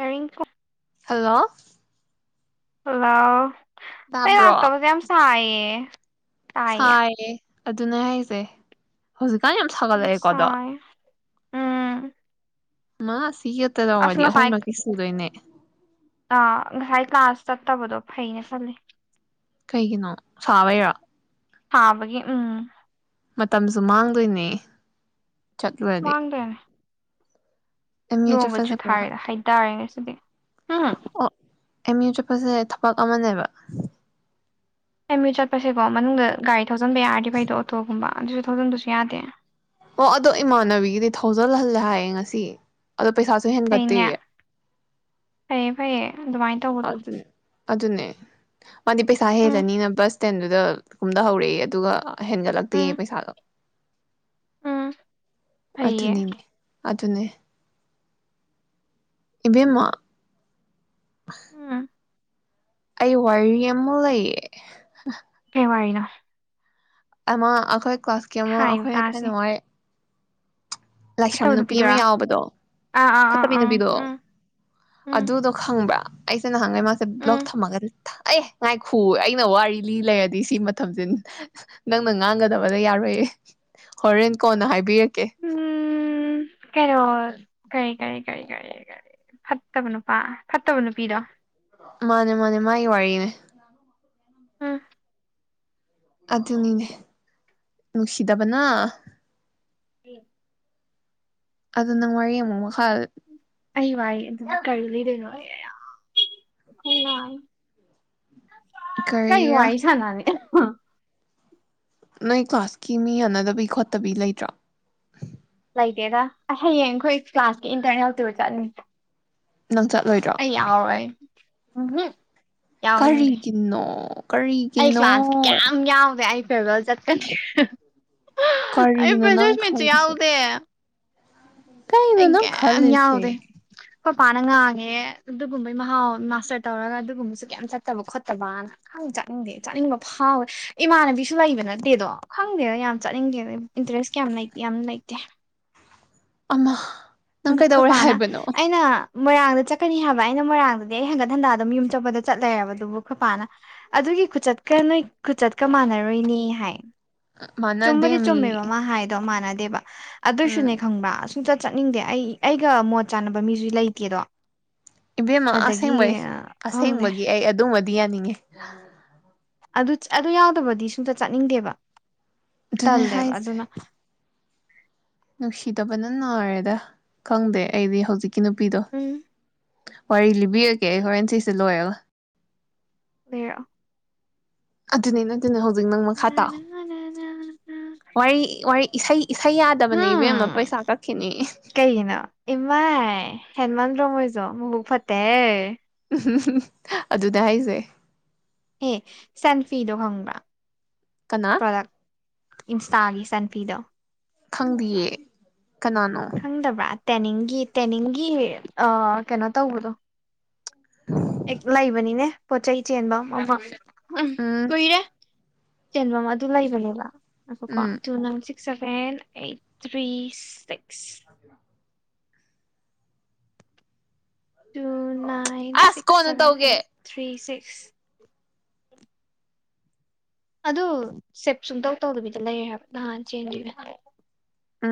ꯑꯦꯔꯤ hello hello ꯐꯩ ꯂꯥꯛꯇꯕ ꯁꯥꯏ ꯑꯦ ꯁꯥꯏ ꯑꯦ ꯑꯗꯨꯅ ꯍꯥꯏꯁꯦ ꯍꯧꯖꯤꯛꯀꯥꯟ ꯌꯥꯝ ꯁꯥꯒꯠꯂꯛꯑꯦꯀꯣꯗꯣ ꯃꯥ ꯑꯁꯅ ꯁ ꯑ ꯉꯔꯥꯏꯀ ꯑ ꯇꯕꯗꯣ ꯐꯩꯅꯦ ꯆꯜꯂꯦ ꯀꯩꯒꯤꯅꯣ ꯁꯕꯔ ꯊꯥꯕꯒꯤꯦ ꯎꯝ ꯃꯇꯝꯁꯨ ꯃꯥꯡꯗꯣꯏꯅꯦ ꯆꯠꯂꯨꯔꯗꯤ ꯃꯥꯡꯗꯣꯏꯅꯦ ꯑꯦꯝ ꯌꯨ ꯅꯣꯡꯒ ꯆꯠꯄ ꯆꯠꯄ꯭ꯔꯥ ꯆꯨꯊꯥꯔꯛꯑꯦ ꯍꯥꯏꯇꯥꯔꯦ ꯉꯁꯤꯗꯤ ꯍꯨꯡ꯫ ꯑꯣ ꯑꯦꯝ ꯌꯨ ꯆꯠꯄꯖꯦ ꯊꯕꯛ ꯑꯃꯅꯦꯕ꯫ ꯑꯦꯝ ꯌꯨ ꯆꯠꯄꯁꯦꯀꯣ ꯃꯅꯨꯡꯗ ꯒꯥꯔꯤ ꯊꯧꯖꯟꯕ ꯌꯥꯔꯗꯤ ꯐꯩꯗꯣ ꯑꯣꯇꯣꯒꯨꯝꯕ ꯑꯗꯨꯁꯨ ꯊꯧꯖꯟꯕꯁꯨ ꯌꯥꯗꯦ꯫ ꯑꯣ ꯑꯗꯣ ꯏꯃꯥꯟꯅꯕꯤꯒꯤꯗꯤ ꯊꯧꯖꯜꯍꯜꯂꯦ ꯍꯥꯏꯌꯦ ꯉꯁꯤ꯫ ꯑꯗꯣ ꯄꯩꯁꯥꯁꯨ ꯐꯩꯅꯦ ꯍꯦꯟꯒꯠꯇꯦꯌꯦ꯫ ꯑꯗꯨꯃꯥꯏ ꯇꯧꯕꯗꯣ꯫ ꯑꯗꯨꯅꯦ ꯑꯗꯨꯅꯦ꯫ ꯃꯥꯗꯤ ꯄꯩꯁꯥ ꯎꯝ ꯍꯦꯜꯂꯅꯤꯅ ꯕꯁ ꯁꯇꯦꯟꯗꯨꯗ ꯀꯨꯝꯗꯍꯧꯔꯦꯌꯦ ꯑꯗꯨꯒ ꯍꯦꯟꯒꯠꯂꯛꯇꯦꯌꯦ ꯎꯝ ꯄꯩꯁꯥꯗꯣ꯫ ꯎꯝ ꯐꯩꯌꯦ ꯑꯗꯨꯅꯤꯅꯦ꯫ ꯑꯗꯨꯨꯅꯦ꯫ ꯏꯕꯦꯝꯃꯥ꯫ ꯎꯝ ꯑꯩ ꯋꯥꯔꯤ ꯑꯃ ꯂꯩꯌꯦ [unintelligible] ꯥ [unintelligible] ꯑꯃ ꯑꯈꯣꯏ ꯀ꯭ꯂꯥꯁꯀꯤ ꯑꯃ ꯍꯥꯏꯌꯨ ꯑꯩꯈꯣꯏ ꯇꯥꯁꯦ ꯊꯥꯢꯅꯋꯥꯏ ꯂꯥꯏꯁꯝ ꯐꯠꯇꯕ ꯅꯨꯄꯤ ꯑꯃ ꯅꯨꯄꯤꯗꯨꯔꯣ ꯌꯥꯎꯕꯗꯣ ꯑꯥ ꯑꯥ ꯑꯥ ꯐꯠꯇꯕꯤ ꯑꯥ ꯎꯝ ꯅꯨꯄꯤꯗꯣ ꯎꯝ ꯑꯗꯨꯗꯣ ꯈꯪꯕ꯭ꯔꯥ ꯑꯩ [unintelligible] ꯅꯍꯥꯟꯒꯩ ꯃꯥꯁꯦ ꯕ꯭ꯂꯣꯛ ꯎꯝ ꯊꯝꯃꯒꯅꯤ ꯑꯩ ꯉꯥꯏꯈꯨꯑꯣ ꯑꯩꯅ ꯋꯥꯔꯤ ꯂꯤ ꯂꯩꯔꯗꯤ ꯁꯤ ꯃꯇꯝꯖꯤ ꯅꯪꯅ ꯉꯥꯡꯒꯗꯕꯗ ꯌꯥꯔꯣꯏꯌꯦ ꯍꯣꯔꯦꯟ ꯀꯣꯟꯅ ꯍꯥꯏꯕꯤꯔꯛ ꯀꯦ꯫ ꯎꯝ ꯀꯩꯅꯣ ꯀꯔꯤ ꯀꯔꯤ ꯀꯔꯤ ꯀꯔꯤ ꯀꯔꯤ ꯐꯠꯇꯕ ꯅꯨꯄꯥ ꯐꯠꯇꯕ ꯅꯨꯄꯤꯗꯣ꯫ ꯃꯥꯅꯦ ꯃꯥꯅꯦ ꯃꯥꯢ ꯋꯥꯔꯤꯅꯦ꯫ ꯎꯝ ꯑꯗꯨꯅꯤꯅꯦ ꯅꯨꯡꯁꯤꯗꯕꯅ꯫ [inaudible] ꯑꯗꯨ ꯅꯪ ꯋꯥꯔꯤ ꯑꯃꯨꯛ ꯃꯈꯥ [unintelligible] ꯑꯩ ꯋꯥꯔꯤ ꯑꯗꯨ ꯀꯔꯤ ꯂꯤꯗꯣꯏꯅꯣ [unintelligible] ꯀꯩ ꯀꯔꯤꯔꯥ ꯋꯥꯔꯤ ꯁꯅꯥꯅꯤ꯫ [unintelligible] ꯅꯣꯏ ꯀ꯭ꯂꯥꯁꯀꯤ ꯃꯤ ꯌꯥꯅꯗꯕꯤ ꯈꯣꯠꯇꯕꯤ ꯂꯩꯇ꯭ꯔꯣ꯫ ꯂꯩꯇꯦꯗ ꯑꯥꯢ ꯍꯌꯦꯡ ꯑꯩꯈꯣꯏ ꯀ꯭ꯂꯥꯁꯀꯤ ꯏꯟꯇꯔꯅꯦꯜ ꯇꯨꯔ ꯆꯠꯅꯤ꯫ ꯅꯪ ꯆꯠꯂꯣꯏꯗ꯭ꯔꯣ꯫ ꯎꯝ ꯍꯨꯝ꯫ ꯀꯔꯤꯒꯤꯅꯣ ꯀꯔꯤꯒꯤꯅꯣ꯫ ꯐꯦꯂꯔ ꯆꯠꯀꯅꯤ ꯑꯩ ꯀꯔꯤꯅꯣ ꯅꯪ ꯐ꯭ꯔꯦꯁꯔꯃꯤꯠꯁꯨ ꯈꯜꯂꯤꯁꯦ ꯌꯥꯎꯗꯦ꯫ ꯀꯔꯤꯅꯣ ꯑꯩ ꯅꯪ ꯀꯌꯤꯝ ꯌꯥꯎꯗꯦ꯫ ꯈꯜꯂꯤꯁꯦ ꯍꯣꯏꯄꯥꯅ ꯉꯥꯡꯉꯦ ꯑꯗꯨꯒꯨꯝꯕꯩ ꯃꯍꯥꯎ ꯃꯥꯁꯇꯔ ꯇꯧꯔꯒ ꯑꯗꯨꯒꯨꯝꯕꯁꯨ ꯀꯌꯥꯝ ꯆꯠꯇꯕ ꯈꯣꯠꯇꯕꯅ ꯈꯪ ꯆꯥꯅꯤꯡꯗꯦ ꯆꯠꯅꯤꯡꯕ ꯐꯥꯎꯋꯦ ꯏꯃꯥꯟꯅꯕꯤꯁꯨ ꯂꯩꯕ ꯅꯠꯇꯦꯗꯣ ꯈꯪꯗꯦꯗ ꯌꯥꯝ ꯆꯠꯅꯤꯡꯗꯦ ꯏꯟꯇꯔꯦꯁ ꯀꯌꯥꯝ ꯂꯩꯇꯦ ꯌꯥꯝ ꯂꯩꯇꯦ꯫ ꯑꯃ ꯅꯪ ꯈꯣꯏ ꯀꯩꯗꯧꯔꯦ ꯄꯥ ꯅ ꯍꯥꯏꯕꯅꯣ ꯑꯩꯅ ꯃꯣꯏꯔꯥꯡꯗ ꯆꯠꯀꯅꯤ ꯍꯥꯏꯕ ꯑꯩꯅ ꯃꯣꯏꯔꯥꯡꯗꯗꯤ ꯑꯩ ꯍꯟꯒꯠ ꯍꯟꯗ ꯑꯗꯨꯝ ꯌꯨꯝ ꯆꯠꯄꯗ ꯆꯠ ꯂꯩꯔꯕ ꯑꯗꯨꯕꯨ ꯈꯨꯣꯏꯄꯥꯅ ꯑꯗꯨꯒꯤ ꯈꯨꯆꯠꯀ ꯅꯣꯏ ꯈꯨꯆꯠꯀ ꯃꯥꯟꯅꯔꯣꯏꯅꯦ ꯍꯥꯏ꯫ ꯆꯨꯝꯕꯗꯤ ꯆꯨꯝꯃꯦꯕ ꯃꯥꯟꯅꯗꯦꯃꯤ ꯃꯥ ꯍꯥꯏꯗꯣ ꯃꯥꯅ ꯗꯦꯕꯥ ꯑꯗꯨꯏꯁꯨꯅꯦ ꯎꯝ ꯈꯪꯕ ꯑꯥ [unintelligible] ꯆꯠꯅꯤꯡꯗꯦ ꯑꯩ ꯑꯩꯒ ꯃꯣꯠ ꯆꯥꯟꯅꯕ ꯃꯤꯁꯨ ꯂꯩꯇꯦꯗꯣ꯫ ꯏꯕꯦꯝꯃ ꯑꯗꯒꯤ ꯑꯁꯦꯡꯕꯩ ꯈꯪꯗꯦ ꯑꯁꯦꯡꯕꯒꯤ ꯑꯩ ꯑꯗꯨꯝꯕ ꯗꯤ ꯌꯥꯅꯤꯌꯦ꯫ ꯑꯗꯨ ꯌꯥꯎꯗꯕꯗꯤ ꯁꯨꯡ ꯆꯠꯅꯤꯡꯗꯦꯕ꯫ ꯑꯗꯨꯅꯦ ꯇꯜꯂꯦꯕ ꯍꯥꯏꯁꯦ ꯑꯗꯨꯅ꯫ ꯅꯨꯡꯁꯤꯗꯕꯅ ꯅꯥꯔꯦꯗ ꯈꯪꯗꯦ ꯑꯩꯗꯤ ꯍꯧꯖꯤꯛ ꯀꯤ ꯅꯨꯄꯤꯗꯣ ꯎꯝ ꯫ ꯋꯥꯔꯤ ꯂꯤꯕꯤꯔꯒꯦ ꯑꯩ ꯍꯣꯔꯦꯟ ꯁꯤꯁꯦ ꯂꯣꯏꯔꯒ꯫ ꯂꯤꯔꯛ ꯑꯣ꯫ ꯑꯗꯨꯅꯦ ꯍꯧꯖꯤꯛ ꯅꯪ ꯃꯈꯥ ꯇꯥ ꯋꯥꯔꯤ ꯏꯁꯩ ꯏꯁꯩ ꯌꯥꯗꯕꯅꯦ ꯏꯕꯦꯝꯃ ꯍꯝ ꯄꯩꯁꯥ ꯀꯛꯈꯤꯅꯤ꯫ ꯗꯔꫭꯃꯣꯏꯖꯨ ꯃꯕꯨꯛ ꯐꯠꯇꯦ ꯍꯦ ꯑꯗꯨꯗ ꯍꯥꯏꯁꯦ ꯑꯦ ꯏꯆꯥꯅꯨꯄꯤꯗꯣ ꯈꯪꯕ꯭ꯔꯥ? ꯀꯅꯥ? ꯄ꯭ꯔꯗꯛ ꯏꯟꯁꯇꯥꯒꯤ ꯏꯆꯥꯅꯨꯄꯤꯗꯣ꯫ ꯈꯪꯗꯤꯌꯦ꯫ ꯀꯅꯥ ꯅꯪ? ꯈꯪꯗꯕ꯭ꯔꯥ ꯇꯦꯅꯤꯡꯒꯤ ꯇꯦꯅꯤꯡꯒꯤ ꯀꯩꯅꯣ ꯇꯧꯕꯗꯣꯈ ꯑꯦ ꯂꯩꯕꯅꯤꯅꯦ ꯄꯣꯠ ꯆꯩ ꯆꯦꯟꯐꯝ ꯃꯃ ꯎꯝ ꯀꯨꯏꯔꯦ ꯆꯦꯟꯐꯝ ꯑꯗꯨ ꯂꯩꯕꯅꯦꯕ꯫ ꯉꯏꯈꯣꯀꯣ ꯎꯝ ꯇꯨ ꯉꯒꯤꯖꯦ ꯁꯚꯦꯟ ꯑꯩꯠ ꯊ꯭ꯔꯤ ꯁꯤꯛꯁ ꯁ ꯇꯨ ꯅꯥꯏꯟ ꯑꯁ ꯁꯤꯛꯁ ꯀꯣꯟꯅ ꯁꯚꯦꯟ ꯇꯧꯒꯦ ꯑꯩꯠ ꯊ꯭ꯔꯤ ꯁꯤꯛꯁ?? ꯑꯗꯨ ꯁꯦꯞ ꯁꯨꯝꯇꯧ ꯇꯧꯗꯕꯤꯗ ꯂꯩꯔꯦ ꯍꯥꯏꯕ ꯅꯍꯥꯟ ꯆꯦꯟꯗꯅꯦꯕꯗꯩꯩ꯫ ꯑ꯫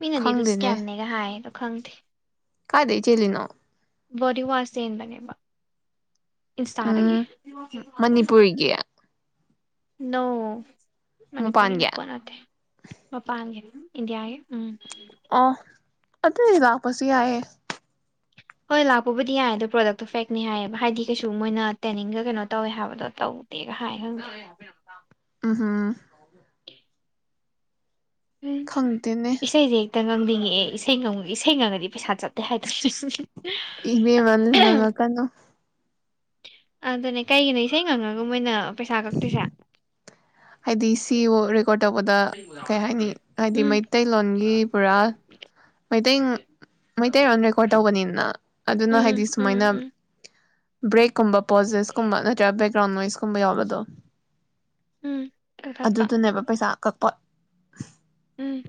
ꯃꯤꯅꯗꯤ ꯑꯗꯨꯁ ꯀꯌꯥꯝꯅꯦꯒ ꯍꯥꯏ ꯑꯗꯣ - ꯈꯪꯗꯦ ꯀꯗꯩ ꯆꯦꯂꯤꯅꯥꯣ ꯣꯗꯤ ꯋꯥꯁ ꯆꯟꯕꯅꯦꯕ ꯎꯝ ꯏꯟꯁꯇꯥꯥꯗꯒꯤꯗꯒꯤ ꯃꯅꯤꯄꯨꯔꯒꯤ ꯅ‌ꯣ ꯃꯅꯤꯄꯨꯔꯒꯤꯅ ꯃꯄꯥꯟꯒꯤ ꯄꯣꯠ ꯅꯠꯇꯦ ꯃꯄꯥꯟꯒꯤꯅꯤ ꯏꯟꯗꯤꯌꯥꯒꯤ ꯎꯝ ꯑ ꯑꯗꯨꯗꯤ ꯋꯥꯄꯁꯤ ꯌꯥꯑꯦ ꯍꯣꯏ ꯂꯥꯛꯄꯕꯨꯗꯤ ꯌꯥꯏ ꯑꯗꯣ ꯄ꯭ꯔꯣꯗꯛꯇꯣ ꯐꯦꯛꯅꯦ ꯍꯥꯏꯌꯦꯕ ꯍꯥꯏꯗꯤ ꯀꯩꯁꯨ ꯃꯣꯏꯅ ꯇꯦꯅꯤꯡꯒ ꯀꯩꯅꯣ ꯇꯧꯋꯦ ꯍꯥꯏꯕꯗꯣ ꯇꯧꯗꯦꯒ ꯍꯥꯏ ꯈꯪꯗꯦ ꯍꯥꯥ [inaudible] ꯈꯪꯗꯅꯦ ꯏꯁꯩꯁꯦ ꯍꯦꯛꯇ ꯉꯪꯅꯤꯡꯉꯛꯑꯦ ꯏꯁꯩ ꯏꯁꯩ ꯉꯪꯉꯗꯤ ꯄꯩꯁꯥ ꯆꯠꯇꯦ ꯍꯥꯏꯗ꯭ꯔꯦ ꯏꯅꯦ ꯃꯥꯜ ꯅꯉ ꯀꯩꯅꯣ ꯑꯗꯨꯅꯦ ꯀꯩꯒꯤꯅꯣ ꯏꯁꯩ ꯉꯪꯉꯒ ꯃꯣꯏꯅ ꯄꯩꯁꯥ ꯀꯛꯇꯣꯏꯁꯦ ꯑꯗꯤ ꯁꯤ ꯔꯦꯀꯣꯔꯠ ꯇꯧꯕꯗ ꯀꯩ ꯍꯥꯏꯅꯤ ꯍꯥꯏꯗꯤ ꯎꯝ ꯃꯩꯇꯩꯂꯣꯟꯒꯤ ꯄꯨꯔꯥ ꯃꯩꯇꯩ ꯃꯩꯇꯩꯂꯣꯟ ꯔꯦꯀꯣꯔꯠ ꯇꯧꯕꯅꯤꯅ ꯑꯗꯨꯅ ꯍꯥꯏꯗꯤ ꯎꯝ ꯎꯝ ꯁꯨꯃꯥꯏꯅ ꯎꯝ ꯕ꯭ꯔꯦꯛꯀꯨꯝꯕ ꯄꯣꯖꯦꯁꯀꯨꯝꯕ ꯅꯠꯇ꯭ꯔꯒ ꯕꯦꯛꯒ꯭ꯔꯥꯎꯟ ꯅꯣꯏꯁꯀꯨꯝꯕ ꯌꯥꯎꯕꯗꯣ ꯎꯝ ꯀꯛꯊꯠꯄ ꯑꯗꯨꯗꯨꯅꯦꯕ ꯄꯩꯁꯥ ꯀꯛꯄ [inaudible] ꯎꯝ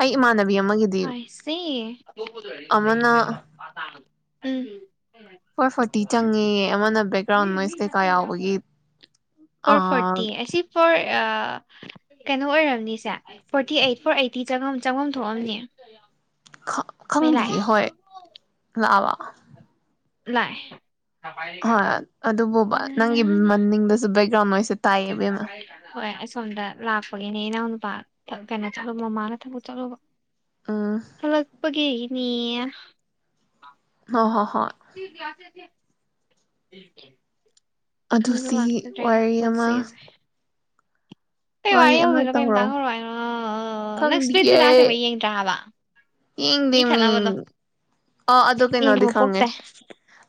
ꯑꯩ ꯏ ꯃꯥꯅ ꯁ ꯑꯃꯅ ꯎꯝꯝ ꯐꯣꯔ ꯐꯣꯔꯇꯤ ꯆꯪꯉꯦ ꯑꯃꯅ ꯕꯦꯛꯒ꯭ꯔꯥꯎꯟ ꯅꯣꯏꯁ ꯀꯩꯀꯥ ꯌꯥꯎꯕꯒꯤ ꯑ ꯐꯣꯔ ꯐꯣꯔꯇꯤ ꯑꯁꯤ ꯐꯣꯔ ꯀꯩꯅꯣ ꯑꯣꯏꯔꯝꯅꯤꯁꯦ ꯐꯣꯔꯇꯤ ꯑꯩꯠ ꯐꯣꯔ ꯑꯩꯠꯇꯤ ꯆꯪꯉꯐꯝ ꯊꯣꯛꯑꯝꯅꯦ ꯀ ꯈꯪꯗꯦ ꯍꯣꯏ ꯂꯥꯛꯕ ꯂꯥꯛꯏ ꯍꯣꯏ ꯑꯗꯨꯕꯨꯕ ꯅꯪꯒꯤ ꯃꯅꯤꯡꯗꯁꯨ ꯕꯦꯛꯒ꯭ꯔꯥꯎꯟ ꯅꯣꯏꯁꯦ ꯇꯥꯏꯌꯦꯕꯦꯝꯃ ꯍꯣꯏ ꯑꯁꯣꯝꯗ ꯂꯥꯛꯄꯒꯤꯅꯦ ꯏꯅꯥꯎꯅ ꯀꯩꯅ ꯆꯣ ꯃꯃꯥꯅꯦ ꯊ ꯆꯣ ꯎꯝ ꯍꯂꯄ ꯀꯅꯤ ꯑꯣ ꯍꯣ ꯀ꯭ꯂꯥꯁꯦꯁꯦ [unintelligible] ꯑꯗꯨ ꯁꯤ ꯋꯥꯔꯤ ꯑꯃ ꯄꯨꯟꯁꯤꯁꯦ ꯀꯩ ꯋꯥꯔꯤ ꯑꯃ ꯑꯣꯏꯗꯨꯏꯅꯣ ꯇꯧꯔꯣ ꯀꯩꯃꯇꯥꯡ ꯔꯨ ꯍꯥꯏꯅꯣ ꯅꯪ ꯈꯪꯗꯤꯌꯦ ꯁꯄꯂꯤꯠꯁꯚꯤꯂꯥ ꯁꯦꯡꯕꯩ ꯌꯦꯡꯗ꯭ꯔ ꯍꯥꯏꯕ ꯃꯤ ꯈꯠꯅꯕꯗꯣ ꯑꯥ ꯑꯗꯣ ꯀꯩꯅꯣꯗꯤ ꯌꯦꯡꯅꯤꯡꯕ ꯈꯪꯉꯦ ꯄꯣꯛꯇ‌ꯦ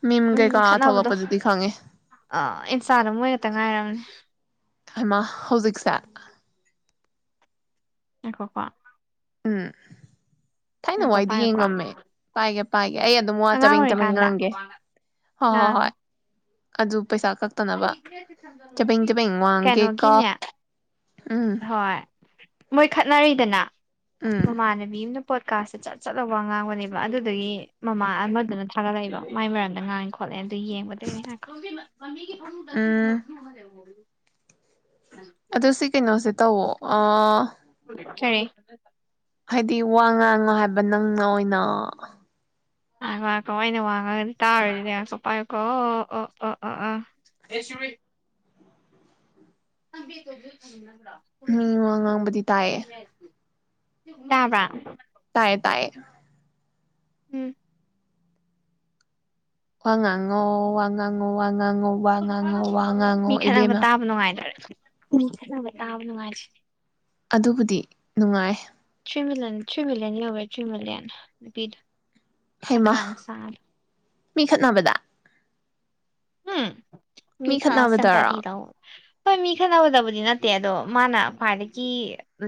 ꯃꯤꯝ ꯎꯝ ꯀꯩꯀꯥ ꯈꯠꯅꯕꯗꯣ ꯊꯣꯛꯂꯛꯄꯗꯨꯗꯤ ꯈꯪꯉꯦ ꯏꯟꯁꯇꯥꯗꯣ ꯃꯣꯏ ꯈꯛꯇ ꯉꯥꯏꯔꯝꯅ‌ꯦ ꯍꯩꯃꯥ ꯍꯧꯖꯤꯛꯁꯦ ꯉꯥꯏꯈ‌ꯣꯀꯣ ꯎꯝ ꯊꯥꯏꯅ ꯋꯥꯏꯗꯤ ꯄꯥꯏꯌꯨꯀꯣ ꯌꯦꯡꯉꯝꯃꯦ ꯄꯥꯏꯒꯦ ꯄꯥꯏꯒꯦ ꯑꯩ ꯑꯗꯨꯝ ꯋꯥ ꯑꯉꯥꯡ ꯇꯃꯤꯡ ꯇꯃꯦꯡ ꯑꯣꯏꯔꯤꯀꯥꯟꯗ ꯉꯥꯡꯒꯦ ꯍꯣꯏ ꯍꯣꯏ ꯉꯥꯡꯉꯣ ꯍꯣꯏ ꯑꯗꯨ ꯄꯩꯁꯥ ꯀꯛꯇꯅꯕ ꯆꯕꯦꯡ ꯆꯕꯦꯡ ꯋꯥꯡꯒꯦꯀꯣ ꯀꯩꯅꯣꯒꯤꯅꯦ ꯎꯝ ꯍꯣꯏ ꯃꯣꯏ ꯈꯠꯅꯔꯤꯗꯅ ꯎꯝ ꯃꯃꯅꯕꯤꯝꯅ ꯄꯣꯠꯀꯥꯁꯁꯦ ꯆꯠ ꯆꯠ ꯂꯧꯕ ꯉꯥꯡꯕꯅꯦꯕ ꯑꯗꯨꯗꯨꯒꯤ ꯃꯃꯥ ꯑꯃꯗꯨꯅ ꯊꯥꯒꯠꯂꯛꯏꯕ ꯃꯥꯏ ꯃꯔꯝꯗ ꯉꯥꯡꯉꯦ ꯈꯣꯠꯂꯦ ꯑꯗꯨ ꯌꯦꯡꯒꯗꯣꯏꯅꯦ ꯍꯥꯏꯣ ꯅꯗꯁꯤ ꯎꯝ ꯍꯨꯅꯅ ꯑꯗꯨꯣ ꯁꯤ ꯀꯩꯅꯣꯁꯦ ꯇꯧꯋꯣ ꯑ ꯁꯔꯦ ꯍꯥꯏꯗꯤ ꯋꯥ ꯉꯥꯡꯉꯣ ꯍꯥꯏꯕ ꯅꯪꯅ ꯑꯣꯏꯅ ꯑꯀꯣ ꯑꯩꯅ ꯋꯥꯡꯉꯒꯗꯤ ꯇꯥꯔꯨꯔꯗꯤ ꯑ ꯄꯥꯏꯌꯀꯣ ꯑꯣ ꯑꯣ ꯑꯣ ꯑꯥ ꯑꯗꯨ ꯃꯤ ꯋꯥ ꯉꯥꯡꯕꯗꯤ ꯇꯥꯏꯌꯦ ꯇꯥꯕꯔꯥ ꯇꯥꯏꯌꯦ ꯇꯌꯦ ꯎꯝ ꯋꯥꯉꯥꯡꯉꯣ ꯋꯥꯉꯥꯡꯉꯣ ꯋꯥꯉ ꯉꯥꯡꯉꯣ ꯋꯥ ꯉꯥꯡꯉꯣ ꯋꯥ ꯉꯥꯡꯉꯣ ꯏꯕ ꯃꯥ ꯈꯂꯕꯇꯥꯕꯅ ꯃꯥꯖ ꯑꯗꯨꯕꯨꯗꯤ ꯅꯨꯡꯉꯥꯏ ꯃꯤꯂꯌꯟ ꯃꯤꯂꯤꯌꯟꯅꯤ ꯍꯧꯕꯦ ꯆꯦꯃꯤꯂꯤꯌꯟ ꯅꯨꯄꯤꯗ ꯄꯀꯥꯟ ꯁꯥꯕ ꯃꯤꯈꯠꯅꯕꯗ ꯎꯝ ꯃꯤ ꯍꯥ ꯁꯝꯄꯦꯇꯗ ꯍꯣꯏ ꯃꯤ ꯈꯟꯅꯅꯕꯗꯕꯨꯗꯤ ꯅꯠꯇꯦ ꯑꯗꯣ ꯃꯥꯅ ꯈ꯭ꯋꯥꯏꯗꯒꯤ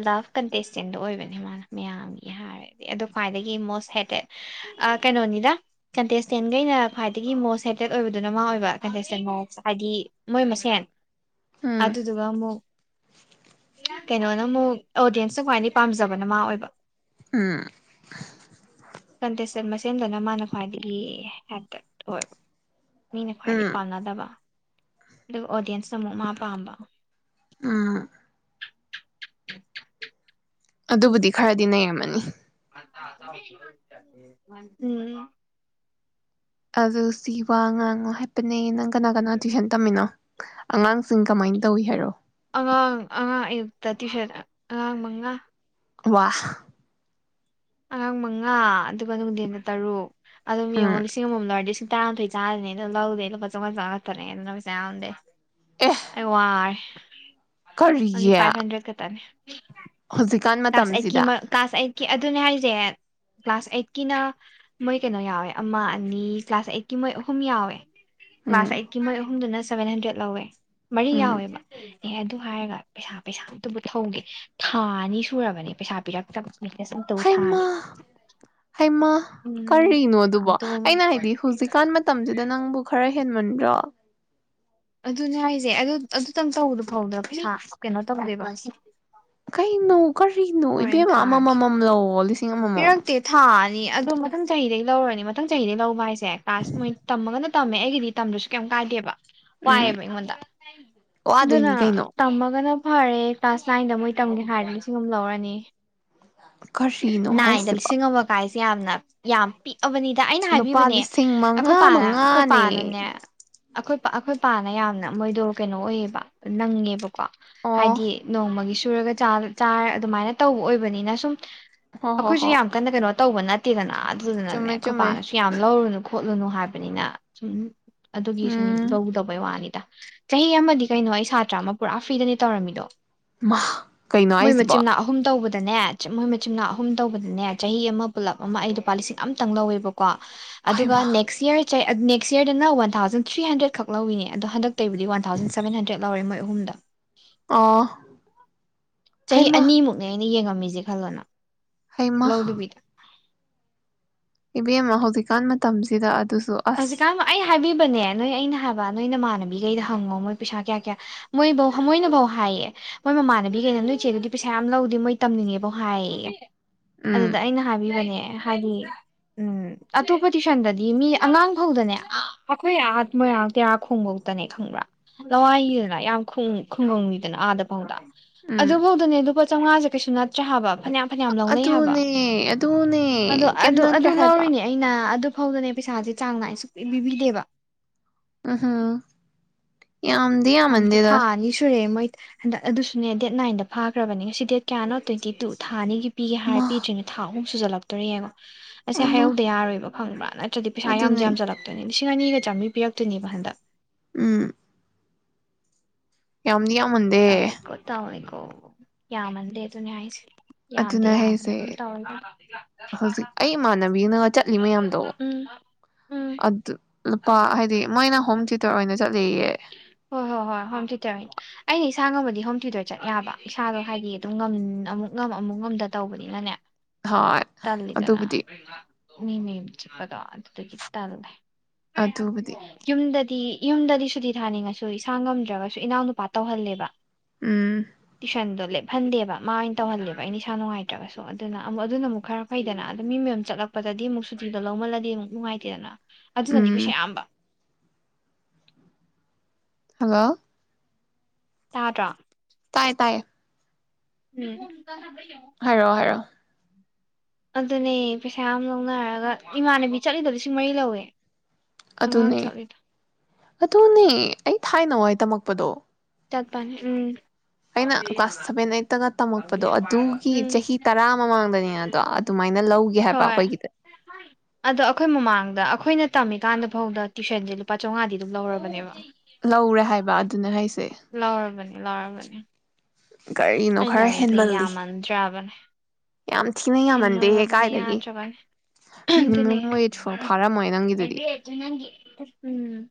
ꯂꯚ ꯀꯟꯇꯦꯁꯇꯦꯟꯗꯣ ꯑꯣꯏꯕꯅꯦ ꯃꯥꯅ ꯃꯌꯥꯝꯒꯤ ꯍꯥꯏꯔꯗꯤ ꯑꯗꯣ ꯈ꯭ꯋꯥꯏꯗꯒꯤ ꯃꯣꯁ ꯍꯦꯇꯦꯠ ꯀꯩꯅꯣꯅꯤꯗ ꯀꯟꯇꯦꯁꯇꯦꯟꯈꯩꯅ ꯈ꯭ꯋꯥꯏꯗꯒꯤ ꯃꯣꯁ ꯍꯦꯇꯦꯠ ꯑꯣꯏꯕꯗꯨꯅ ꯃꯥ ꯑꯣꯏꯕ ꯍꯥꯏꯗꯤ ꯃꯣꯏ ꯃꯁꯦꯟ ꯎꯝ ꯑꯗꯨꯗꯨ ꯋꯥꯃꯣ ꯀꯩꯅꯣꯅ ꯑꯃꯨꯛ ꯑꯣꯗꯤꯌꯦꯟꯁꯇ ꯈ꯭ꯋꯥꯏꯗꯒꯤ ꯄꯥꯝꯖꯕꯅ ꯃꯥ ꯑꯣꯏꯕ ꯎꯝ ꯃꯆꯦꯟ ꯃꯁꯦꯟꯗꯅ ꯃꯥꯅ ꯈ꯭ꯋꯥꯏꯗꯒꯤ ꯍꯦꯛꯇꯠ ꯑꯣꯏꯕ ꯈ꯭ꯋꯥꯏꯗꯩ ꯎꯝ ꯄꯥꯟꯅꯗꯕ ꯑꯗꯨ ꯑꯣꯗꯤꯟꯁꯅ ꯃꯨꯛ ꯃꯥ ꯄꯥꯝꯕ ꯎꯝ ꯑꯗꯨꯕꯨꯗꯤ ꯈꯔꯗꯤ ꯅꯩꯔꯝꯃꯅꯤ [unintelligible] ꯎꯝ ꯑꯗꯨ ꯁꯤ ꯋꯥ ꯉꯥꯡꯉꯨ ꯍꯥꯏꯄꯅꯦ ꯅꯪ ꯀꯅꯥ ꯀꯅꯥ ꯇꯨꯏꯁꯟ ꯇꯝꯃꯤꯅꯣ ꯑꯉꯥꯡꯁꯤꯡ ꯀꯃꯥꯏꯅ ꯇꯧꯋꯤ ꯍꯥꯏꯔꯛꯑꫭ ꯑꯉꯥꯡ ꯑꯉꯥꯡ ꯑꯌꯨꯛꯇ ꯇ꯭ꯨꯏꯁꯟ ꯑ ꯑꯉꯥꯡ ꯃꯉꯥ ꯋꯥ ꯑꯉꯥꯡ ꯃꯉꯥ ꯑꯗꯨꯒ ꯅꯨꯡꯗꯤꯟꯗ ꯇꯔꯨꯛ ꯑꯗꯨꯝ ꯎꯝ ꯌꯦꯡꯉꫭ ꯂꯤꯁꯤꯡ ꯑꯃꯃꯝ ꯂꯤꯁꯤꯡ [unintelligible] ꯂꯧꯗꯦ ꯂꯨꯄꯥ ꯆꯝꯉꯥ ꯆꯝꯉꯥ ꯈꯠꯇꯅꯦ ꯑꯗꯨꯅ ꯄꯩꯁꯥ ꯌꯥꯝꯗꯦ ꯑꯦ ꯑꯩ ꯋꯥꯔꯦ ꯑꫭꯟꯂꯤ ꯀꯔꯤꯒꯤ ꯐꯥꯏꯚ ꯍꯟꯗ꯭ꯔꯦꯠ ꯈ ꯇꯅꯤ ꯍꯧꯖꯤꯛꯀꯥꯟ ꯃꯇꯝꯁꯤꯗ ꯀꯤ ꯑꯗ ꯑꯗꯨꯅꯦ ꯍꯥꯏꯁꯦ ꯀ꯭ꯂꯥꯁ ꯑꯩꯠꯀꯤꯅ ꯃꯣꯏ ꯀꯩꯅꯣ ꯌꯥꯎꯋꯦ ꯑꯃ ꯑꯅꯤ ꯀ꯭ꯂꯥꯁ ꯑꯩꯠꯀꯤ ꯃꯣꯏ ꯑꯍꯨꯝ ꯌꯥꯎꯋꯦ ꯀ꯭ꯂꯥꯁ ꯎꯝ ꯑꯩꯠꯀꯤ ꯃꯣꯏ ꯑꯍꯨꯝꯗꯨꯅ ꯁꯚꯦꯟ ꯍꯟꯗ꯭ꯔꯦꯠ ꯂꯧꯋꯦ ꯃꯔꯤ ꯎꯝ ꯌꯥꯎꯋꯦꯕ ꯑꯦ ꯑꯗꯨ ꯍꯥꯏꯔꯒ ꯄꯩꯁꯥ ꯄꯩꯁꯥ ꯑꯝꯇꯕꯨ ꯊꯧꯒꯦ ꯊꯥ ꯑꯅꯤ ꯁꯨꯔꯕꯅꯦ ꯄꯩꯁꯥ ꯄꯤꯔꯛꯇꯕ ꯕꯤꯖꯤꯅꯦꯁ ꯑꯝꯇꯕꯨ ꯍꯩꯃꯥ ꯊꯥꯒꯦ ꯍꯩꯃꯥ ꯎꯝ ꯀꯔꯤꯅꯣ ꯑꯗꯨꯕꯣ ꯑꯝꯇꯕꯨ ꯑꯩꯅ ꯍꯥꯏꯗꯤ ꯍꯧꯖꯤꯛꯀꯥꯟ ꯃꯇꯝꯁꯤꯗ ꯅꯪꯕꯨ ꯈꯔ ꯍꯦꯟꯕ ꯃꯟꯗ꯭ꯔꫭ ꯑꯗꯨꯅꯦ ꯍꯥꯏꯁꯦ ꯑꯗꯨ ꯑꯗꯨꯇꯪ ꯇꯧꯕꯗ ꯐꯥꯎꯗ ꯄꯩꯁꯥ ꯀꯩꯅꯣ ꯇꯧꯗꯦꯕ ꯀꯩꯅꫭ ꯀꯔꯤꯅꯣ ꯍꯣꯔꯦꯟ ꯏꯕꯦꯝꯃ ꯑꯃ ꯊꯥꯔꯒꯦ ꯃ ꯃꯝ ꯂꯧꯑꫭ ꯄꯤꯔꯛꯇꯦ ꯊꯥ ꯑꯗꯣ ꯃꯊꯪ ꯆꯍꯤꯗꯒꯤ ꯂꯧꯔꯅꯤ ꯃꯊꯪ ꯆꯍꯤꯗꯩ ꯂꯧꯕ ꯍꯥꯏꯁꯦ [unintelligible] ꯃꫭꯏ ꯇꯝꯃꯒꯅ ꯇꯝꯃꯦ ꯑꯩꯒꯤꯗꯤ ꯇꯝꯗ꯭ꯔꯁꯨ ꯀꯩꯝ ꯀꯥꯏꯗꯦꯕ ꯎꯝ ꯋꯥꯏꯑꯦꯕ ꯑꯩꯉꯣꯟꯗ ꯑꯗꯨꯅ ꯋꯥꯗꯣꯏꯅꯤ ꯀꯩꯅꯣ ꯇꯝꯃꯒꯅ ꯐꯔꯦ ꯀ꯭ꯂꯥꯁ ꯅꯥꯏꯟꯗ ꯃꯣꯏ ꯇꯝꯒꯦ ꯍꯥꯏꯔꯗꯤ ꯂꯤꯁꯤꯡ ꯑꯃ ꯂꯧꯔꯅꯤ ꯀꯔꯤ ꯅꯥꯏꯟꯗ ꯂꯤꯁꯤꯡ ꯑꯃ ꯀꯥꯏꯁꯦ ꯌꯥꯝꯅ ꯌꯥꯝ ꯄꯤ ꯑꯕꯅꯤꯗ ꯑꯩꯅ ꯂꯨꯄꯥ ꯍꯥꯏꯕꯤꯕꯅꯦ ꯂꯤꯁꯤꯡ ꯑꯩꯈꯣꯏ ꯃꯉꯥ ꯄꯥꯅ ꯑꯩꯈꯣꯏ ꯃꯉꯥꯅꯦ ꯄꯥꯅꯅꯦ ꯑꯩꯈꯣꯏ ꯑꯩꯈꯣꯏ ꯄꯥꯅ ꯌꯥꯝꯅ ꯃꯣꯏꯗꯣ ꯀꯩꯅꯣ ꯑꯣꯏꯌꯦꯕ ꯅꯪꯉꯦꯕꯀꯣ ꯀꯣ ꯑꯣ ꯍꯥꯏꯗꯤ ꯅꯣꯡꯃꯒꯤꯁꯨ ꯆꯨꯔꯒ ꯆꯥꯔ ꯑꯗꯨꯃꯥꯏꯅ ꯇꯧꯕ ꯑꯣꯏꯕꯅꯤꯅ ꯁꯨꯝ ꯍꯣ ꯍꯣ ꯑꯩꯈꯣꯏꯁꯨ ꯍꯣ ꯌꯥꯝ ꯀꯟꯅ ꯀꯩꯅꯣ ꯇꯧꯕ ꯅꯠꯇꯦꯗꯅ ꯑꯗꯨꯗꯨꯅꯅꯦ ꯆꯨꯝꯃꯦ ꯑꯩꯈꯣꯏ ꯆꯨꯝꯃꯦ ꯄꯥꯅꯁꯨ ꯌꯥꯝ ꯂꯧꯔꯨꯅꯨ ꯈꯣꯠꯂꯨꯅꯨ ꯍꯥꯏꯕꯅꯤꯅ ꯁꯨꯝ ꯑꯗꯨꯒꯤ ꯁꯨꯝ ꯎꯝ ꯂꯧꯧꯗꯕꯩ ꯋꯥꯅꯤꯗ ꯆꯍꯤ ꯑꯃꯗꯤ ꯀꯩꯅꯣ ꯑꯩ ꯁꯥꯇ꯭ꯔ ꯑꯃ ꯄꯨꯔꯥ ꯐ꯭ꯔꯤꯗꯅꯦ ꯇꯧꯔꯝꯃꯤꯗꯣ ꯃꯥ ꯀꯩꯅꯣ ꯍꯥꯏꯁꯤꯕꯣ ꯗꯅꯦ ꯃꯣꯏ ꯃꯆꯤꯟꯅꯥꯑꯣ ꯑꯍꯨꯝ ꯇꯧꯕꯗꯅꯦ ꯆꯍꯤ ꯑꯃ ꯄꯨꯜꯂꯞ ꯑꯃ ꯑꯩ ꯂꯨꯄꯥ ꯂꯤꯁꯤꯡ ꯑꯃꯇꯪ ꯂꯧꯋꯦꯕꯣ ꯀꯣ ꯑꯗꯨꯒ ꯍꯩꯃ ꯅꯦꯛꯁ ꯌꯔ ꯆꯩ ꯅꯦꯛꯁ ꯌꯔꯗꯅ ꯋꯥꯟ ꯊꯥꯎꯖꯟ ꯊ꯭ꯔꯤ ꯍꯟꯗ꯭ꯔꯦꯗ ꯈꯛ ꯂꯧꯋꯤꯅꯦ ꯑꯗꯣ ꯍꯟꯗꯛꯇꯇꯩꯕꯨꯗꯤ ꯋꯥꯟ ꯊꯥꯎꯖꯟ ꯁꯕꯦꯟꯟꯗ꯭ꯔꯗꯠ ꯂꯧꯔꯦ ꯃꯣꯏ ꯑꯍꯨꯝꯗ ꯑ‌ꯣ ꯆꯍꯤ ꯑꯅꯤꯃꯨꯛꯅꯦ ꯑꯩꯅ ꯌꯦꯡꯉꯝꯃꯤ ꯃꯤꯖꯦ ꯈꯜꯣꯅ ꯑꯩꯃ ꯏꯕꯦꯝꯃ ꯍꯧꯖꯤꯛꯀꯥꯟ ꯃꯇꯝꯁꯤꯗ ꯑꯗꯨꯁꯨ ꯑꯁ ꯍꯧꯖꯤꯛꯀꯥꯟ ꯑꯩ ꯍꯥꯏꯕꯤꯕꯅꯦ ꯅꯣꯏ ꯑꯩꯅ ꯍꯥꯏꯕ ꯅꯣꯏ ꯅꯃꯥꯟꯅꯕꯤꯈꯩꯗ ꯍꯪꯉꯣ ꯃꯣꯏ ꯄꯩꯁꯥ ꯀꯌꯥ ꯀꯌꯥ ꯃꯣꯏꯐꯧ ꯃꯣꯏꯅꯐꯧ ꯍꯥꯏꯌꯦ ꯃꯣꯏ ꯃꯃꯥꯟꯅꯕꯤꯈꯩꯅ ꯅꯣꯏ ꯏꯆꯦꯗꯨꯗꯤ ꯄꯩꯁꯥ ꯌꯥꯝ ꯂꯧꯗꯦ ꯃꯣꯏ ꯇꯝꯅꯤꯡꯉꯦꯕꯧ ꯍꯥꯏꯌꯦꯌꯦ ꯎꯝ ꯑꯗꯨꯗ ꯑꯩꯅ ꯍꯥꯏꯕꯤꯕꯅꯦ ꯍꯥꯏꯗꯤ ꯎꯝ ꯑꯇꯣꯞꯄ ꯇ꯭ꯨꯏꯁꯟꯗꯗꯤ ꯃꯤ ꯑꯉꯥꯡ ꯐꯧꯗꯅꯦ ꯑꯩꯈꯣꯏ ꯑꯥꯠ ꯃꯣꯏꯔꯥꯡ ꯇꯦꯔꯥ ꯈꯣꯡꯕꯧꯇꯅꯦ ꯈꯪꯕ꯭ꯔꯥ ꯂꯋꯥꯏꯗꯅ ꯌꯥꯝ ꯈꯨꯡꯒꯪꯅꯤꯗꯅ ꯑꯥꯗ ꯐꯧꯗ ꯑꯗꯨ ꯎꯝ ꯍꯣꯗꯅꯦ ꯑꯗꯨ ꯄ ꯆꯧꯉꯥꯖꯦ ꯀꯩꯁꯨ ꯅꯠꯇ꯭ꯔꯦꯍꯥꯕ ꯐꯅꯌꯥꯝ ꯐꯅꯌꯥꯝ ꯂꯧꯅꯩ ꯍꯥꯏꯕ ꯑꯗꯨꯅꯦ ꯑꯗꯨꯅꯦ ꯑꯗꯣ ꯀꯩꯝ ꯑꯗꯨ ꯑꯗꯨ ꯅꯠꯇ꯭ꯔꯦ ꯍꯥꯏꯕ ꯂꯧꯔꯤꯅꯦ ꯑꯩꯅ ꯐꯥꯎꯗꯅꯦ ꯄꯩꯁꯥꯖꯦ ꯆꯥꯡ ꯅꯥꯏ ꯁꯨꯡꯄꯤ ꯄꯕꯤꯗꯦꯕ ꯎꯝꯝ ꯌꯥꯝꯗꯤ ꯑꯝꯇ ꯌꯥꯝꯃꯟꯗꯦꯗ ꯊꯥ ꯑꯅꯤ ꯁꯨꯔꯦ ꯃꯣꯏ ꯍꯟꯗꯛ ꯑꯗꯨꯁꯨꯅꯦ ꯗꯦꯠ ꯅꯥꯏꯟꯗ ꯐꯥꯒꯔꯥꯕꯅꯦ ꯉꯁꯤ ꯗꯦꯠ ꯀꯌꯥꯅꯣ ꯇ꯭ꯋꯦꯟꯇꯤ ꯇꯨ ꯊꯥꯅꯤꯒꯤ ꯄꯤꯒꯦ ꯍꯥꯏꯔ ꯃꯥ ꯄꯤꯗꯔ꯭ꯤ ꯅꯦ ꯊꯥ ꯑꯨꯝ ꯁꯨꯖꯜꯂꯛꯇꯣꯔꯦꯌꯦꯡꯉꯣ ꯑꯩꯁꯦ ꯑꯃ ꯍꯥꯏꯍꯧꯗ ꯌꯥꯔꯣꯏꯕ [unintelligible] ꯄꯩꯁꯥ ꯌꯥꯝꯖꯨ ꯑꯗꯨꯅꯦ ꯌꯥꯝꯖꯜꯂꯛꯇꯣꯏꯅꯦ ꯁꯤꯡ ꯑꯅꯤꯒ ꯆꯥꯝꯃꯔꯤ ꯄꯤꯔꯛꯇꯣꯏꯅꯦꯕ ꯍꯟꯗꯛ꯫ ꯎꯝ꯫ ꯌꯥꯝꯅꯤ ꯌꯥꯝ ꯇꯧꯔꯦꯀꯣ ꯇꯧꯔꯦꯀꯣ ꯑꯣ ꯌꯥꯃꯟꯗꯦ ꯑꯗꯨ ꯅꯦ ꯍꯥꯏꯁꯦ꯫ ꯌꯥꯝꯗ ꯑꯗꯨꯅꯦ ꯌꯥꯝꯗꯅ ꯍꯥꯏꯁꯦ ꯑꯗꯨꯝ ꯇꯧꯔꯒ ꯍꯧꯖꯤꯛ ꯑꯩ ꯏꯃꯥꯟꯅꯕꯤꯅ ꯆꯠꯂꯤ ꯃꯌꯥꯝꯗꯣ ꯎꯝ ꯎꯝ ꯑꯗꯨ ꯂꯨꯄꯥ ꯍꯥꯏꯗꯤ ꯃꯥꯏꯅ ꯍꯣꯝ ꯇꯨꯇꯔ ꯑꯣꯏꯅ ꯆꯠꯂꯤꯌꯦ꯫ ꯍꯣꯏ ꯍꯣꯏ ꯍꯣꯏ ꯍꯣꯝ ꯇꯌ꯭ꯨꯇꯔ ꯑꯣꯏꯅ ꯑꯩ ꯏꯁꯥ ꯉꯝꯃꯗꯤ ꯍꯣꯝ ꯇ꯭ꯌꯨꯇꯔ ꯆꯠ ꯌꯥꯕ ꯏꯁꯥꯗꯣ ꯍꯥꯏꯗꯤ ꯑꯗꯨꯝ ꯉꯝ ꯑꯃꯨꯛ ꯉꯝ ꯑꯃꯨꯛ ꯉꯝꯗ ꯇꯧꯕꯅꯤꯅꯅꯦ ꯍꯣꯏ ꯇꯜ ꯂꯤꯗꯅꯥ ꯑꯗꯨꯕꯨꯗꯤ ꯃꯤ ꯃꯌꯨꯝ ꯆꯠꯄꯗꯣ ꯗꯨꯗꯒꯤ ꯇꯜꯂꯦ ꯑꯗꯨꯕꯨꯗꯤ ꯌꯨꯝꯗ ꯗꯤ ꯌꯨꯝꯗꯗꯤ ꯁꯨꯇꯤ ꯊꯥꯅꯤꯡꯉꯁꯨ ꯏꯁꯥ ꯉꯝꯗ꯭ꯔꯒꯁꯨ ꯏꯅꯥꯎꯅꯨꯄꯥ ꯇꯧꯍꯜꯂꯦꯕ꯫ ꯎꯝ ꯇꯨꯏꯁꯟꯗꯣ ꯂꯦꯞ ꯐꯟꯗꯦꯕ ꯃꯥ ꯑꯣꯏꯅ ꯇꯧꯍꯜꯂꯦꯕ ꯑꯩꯅ ꯏꯁꯥ ꯅꯨꯡꯉꯥꯏꯇ꯭ꯔꯒꯁꯨ ꯑꯗꯨꯅ ꯑꯃꯨ ꯑꯗꯨꯅ ꯑꯃꯨꯛ ꯈꯔ ꯐꯩꯗꯅ ꯑꯗ ꯃꯤ ꯃꯌꯨꯝ ꯆꯠꯂꯛꯄꯗꯗꯤ ꯑꯃꯨꯛ ꯁꯨꯇꯤꯗꯣ ꯂꯧꯃꯜꯂꯗꯤ ꯑꯃꯨꯛ ꯅꯨꯡꯉꯥꯏꯇꯦꯗꯅ꯫ ꯑꯗꯨꯅꯗꯤ ꯄꯩꯁꯥ ꯎꯝ ꯌꯥꯝꯕ ꯍꯜꯂꯣ ꯇꯥꯗ꯭ꯔꯥ ꯇꯥꯏ ꯇꯥꯏꯌꯦ ꯎꯝ ꯍꯥꯏꯔꯣ ꯍꯥꯏꯔꯣ ꯑꯗꯨꯅꯦ ꯄꯩꯁꯥ ꯌꯥꯝ ꯂꯧꯅꯔꯒ ꯏꯃꯥꯟꯅꯕꯤ ꯆꯠꯂꯤꯗꯣ ꯂꯤꯁꯤꯡ ꯃꯔꯤ ꯂꯧꯋꯦ꯫ ꯑꯉꯥꯡ ꯑꯗꯨꯅꯦ ꯆꯠꯂꯤꯗꯣ ꯑꯗꯨꯅꯦ ꯑꯩ ꯊꯥꯏꯅꯋꯥꯥꯏ ꯇꯝꯃꯛꯄꯗꯣ ꯆꯠꯄꯅꯤ ꯎꯝ ꯑꯩꯅ ꯀ꯭ꯂꯥꯁ ꯁꯚꯦꯟ ꯑꯩꯠꯇꯒ ꯇꯝꯃꯛꯄꯗꯣ ꯑꯗꯨꯒꯤ ꯎꯝ ꯆꯍꯤ ꯇꯔꯥ ꯃꯃꯥꯡꯗꯅꯤꯅ ꯑꯗꯣ ꯑꯗꯨꯃꯥꯏꯅ ꯂꯧꯒ ꯍꯣꯏ ꯑꯗꯣ ꯑꯩꯈꯣꯏ ꯃꯃꯥꯡꯗ ꯑꯩꯈꯣꯏꯅ ꯇꯝꯃꯤꯀꯥꯟꯗ ꯐꯥꯎꯗ ꯇ꯭ꯋꯏꯁꯟꯁꯦ ꯂꯨꯄꯥ ꯆꯥꯝꯃꯉꯥꯗꯤ ꯑꯗꯨꯝ ꯂꯧꯔꯕꯅꯦꯕ꯫ ꯂꯧꯔꯦ ꯍꯥꯏꯕ ꯑꯗꯨꯅ ꯍꯥꯏꯁꯦ꯫ ꯂꯧꯔꯕꯅꯤ ꯂꯧꯔꯕꯅꯤ ꯀꯔꯤꯅꯣ ꯑꯩ ꯈꯔ ꯂꯧꯔꯤꯁꯦ ꯍꯦꯟꯃꯜꯂꯤ ꯌꯥꯝꯃꯟꯗ꯭ꯔꯕꯅꯦ ꯌꯥꯝ ꯊꯤꯅ ꯌꯥꯝꯃꯟꯗꯦꯍꯦ ꯍꯦꯟꯃꯜꯂꯕꯅꯦ ꯀꯥꯏꯗꯒꯤ ꯌꯥꯗ꯭ꯔꯕꯅꯦ ꯃꯤꯅꯤꯃꯝ ꯋꯦꯖ ꯐꯥꯎ ꯐꯥꯔꯝꯃꯣꯏ ꯅꯪꯒꯤꯗꯨꯗꯤ ꯑꯗꯨꯅꯦ ꯎꯝ꯫